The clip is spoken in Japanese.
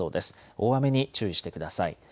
大雨に注意してください。